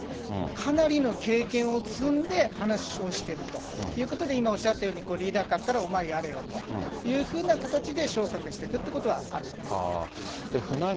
かなりの経験を積んで話をしてるということで、今、おっしゃったように、リーダー格からお前やれよというふうな形で、昇格してくってことはあると思います。